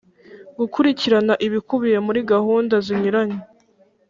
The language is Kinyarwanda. Gukurikirana ibikubiye muri gahunda zinyuranye